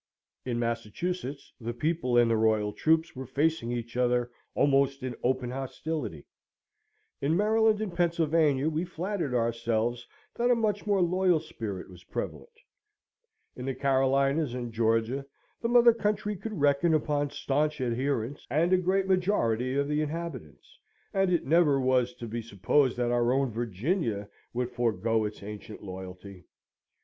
In Massachusetts the people and the Royal troops were facing each other almost in open hostility: in Maryland and Pennsylvania we flattered ourselves that a much more loyal spirit was prevalent: in the Carolinas and Georgia the mother country could reckon upon staunch adherents, and a great majority of the inhabitants: and it never was to be supposed that our own Virginia would forgo its ancient loyalty.